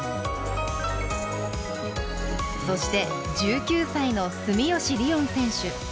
そして１９歳の住吉りをん選手。